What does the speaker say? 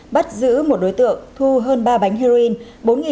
bắt giữ một đối tượng thu hơn ba bánh heroin bốn năm trăm linh viên ma túy thổng hợp